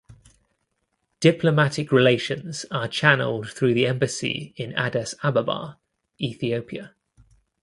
Diplomatic relations are channeled through the Embassy in Addis Ababa (Ethiopia).